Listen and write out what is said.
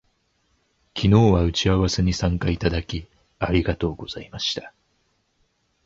昨日は打ち合わせに参加いただき、ありがとうございました